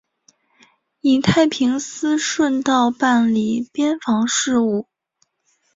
以太平思顺道办理边防事务。